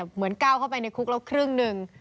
เหมือนก้าวเข้าไปในคุกแล้วครึ่งหนึ่ง